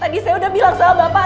tadi saya udah bilang sama bapak